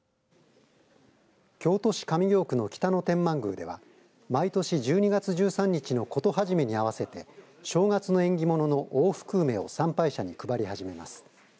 京都市上京区の北野天満宮では毎年１２月１３日の事始めに合わせて正月の縁起物の大福梅を参拝者に配り始めます。